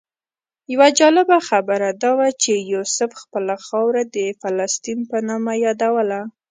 یوه جالبه خبره دا وه چې یوسف خپله خاوره د فلسطین په نامه یادوله.